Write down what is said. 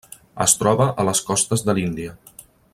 Es troba a les costes de l'Índia.